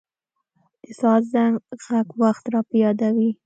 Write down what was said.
د ساعت زنګ ږغ وخت را په یادوي.